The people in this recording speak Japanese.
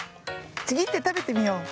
ちぎってたべてみよう。